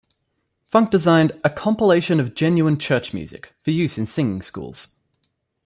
Funk designed "A Compilation of Genuine Church Music" for use in singing schools.